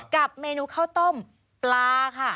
กับเมนูข้าวต้มปลาค่ะ